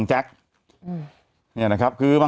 แต่หนูจะเอากับน้องเขามาแต่ว่า